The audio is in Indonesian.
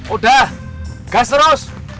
udah gas terus